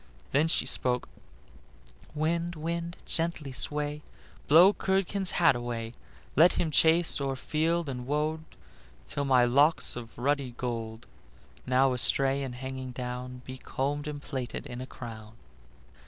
Then she spoke: "Wind, wind, gently sway, Blow Curdken's hat away; Let him chase o'er field and wold Till my locks of ruddy gold, Now astray and hanging down, Be combed and plaited in a crown."